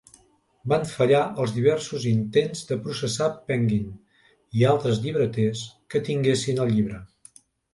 Van fallar els diversos intents de processar Penguin i altres llibreters que tinguessin el llibre.